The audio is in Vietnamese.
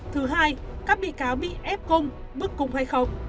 thứ hai các bị cáo bị ép cung bức cung hay không